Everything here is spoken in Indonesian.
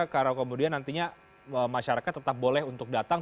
karena kemudian nantinya masyarakat tetap boleh untuk datang